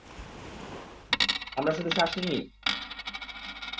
আমরা শুধু শ্বাস নিই?